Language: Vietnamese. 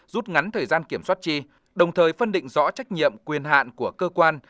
rút ngắn thời gian kiểm soát chi đồng thời phân định rõ trách nhiệm quyền hạn của cơ quan